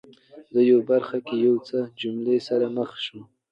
زه یوې برخه کې یو څو جملو سره مخ شوم